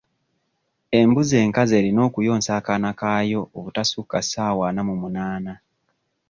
Embuzi enkazi erina okuyonsa akaana kaayo obutasukka ssaawa ana mu munaana.